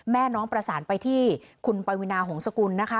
แม่น้องประสานไปที่คุณปวินาหงษกุลนะคะ